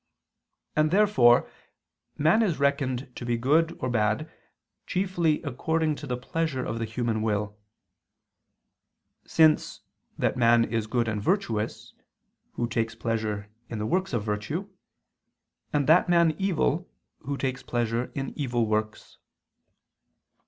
And therefore man is reckoned to be good or bad chiefly according to the pleasure of the human will; since that man is good and virtuous, who takes pleasure in the works of virtue; and that man evil, who takes pleasure in evil works.